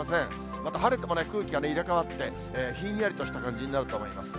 また晴れても空気が入れ替わって、ひんやりとした感じになると思います。